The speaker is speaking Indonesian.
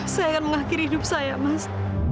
saya akan mengakhiri hidup saya mas